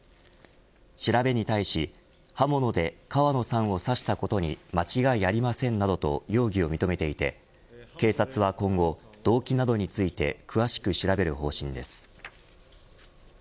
調べに対し刃物で川野さんを刺したことに間違いありませんなどと容疑を認めていて警察は今後、動機などについて詳しく調べる方針です。